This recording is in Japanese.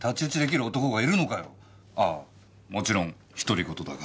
ああもちろん独り言だが。